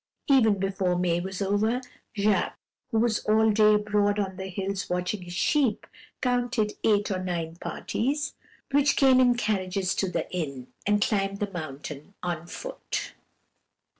Even before May was over, Jacques, who was all day abroad on the hills watching his sheep, counted eight or nine parties, which came in carriages to the inn, and climbed the mountain on foot.